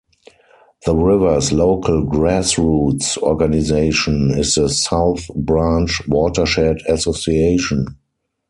The river's local grassroots organization is the South Branch Watershed Association.